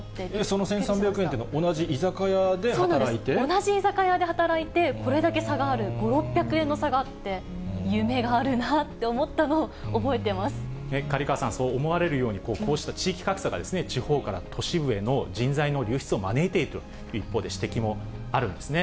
その１３００円って、同じ居同じ居酒屋で働いて、これだけ差がある、５、６００円の差があって、夢があるなって思ったの刈川さん、そう思われるように、こうした地域格差が地方から都市部への人材の流出を招いているという一方で指摘もあるんですね。